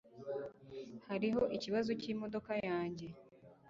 Hariho ikibazo cyimodoka yanjye.